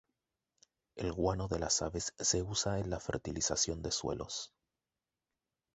El guano de las aves se usa en la fertilización de suelos.